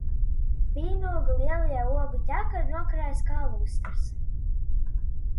Vīnogu lielie ogu ķekari nokarājās kā lustras.